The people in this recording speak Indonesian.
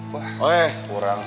wah kurang satu ratus tiga puluh